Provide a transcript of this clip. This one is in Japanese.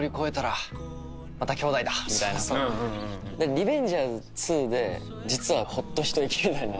「リベンジャーズ２」で実はホッと一息みたいな。